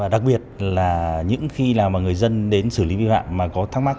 đặc biệt là những khi người dân đến xử lý vi phạm mà có thắc mắc